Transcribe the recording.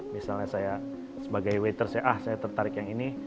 misalnya saya sebagai waiter saya tertarik yang ini